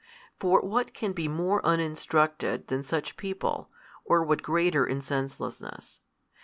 For what can be more uninstructed than such people, or what greater in senselessness?